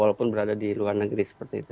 walaupun berada di luar negeri seperti itu